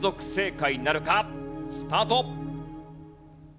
スタート！